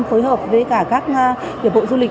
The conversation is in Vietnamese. phối hợp với các hiệp hội du lịch